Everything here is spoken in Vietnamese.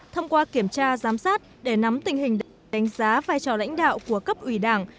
thông qua kiểm tra giám sát để nắm tình hình đánh giá vai trò lãnh đạo của cấp ủy đảng